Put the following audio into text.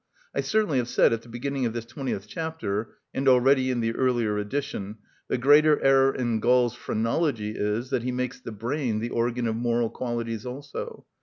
I certainly have said, at the beginning of this twentieth chapter (and already in the earlier edition): "The greatest error in Gall's phrenology is, that he makes the brain the organ of moral qualities also."